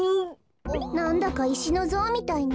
なんだかいしのぞうみたいね。